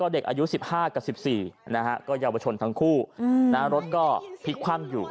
เด็กอายุ๑๕กับ๑๔ก็เยาวชนทั้งคู่รถก็พลิกคว่ำอยู่